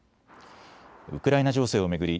ウクライナ情勢を巡り